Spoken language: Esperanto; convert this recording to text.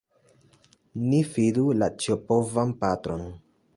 Ni fidu la Ĉiopovan Patron!